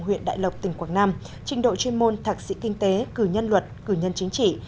huyện đại lộc tỉnh quảng nam trình độ chuyên môn thạc sĩ kinh tế cử nhân luật cử nhân chính trị